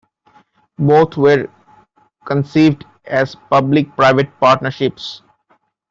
Both were conceived as public-private partnerships.